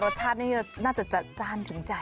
รสชาตินี่น่าจะจัดจ้านถึงใจ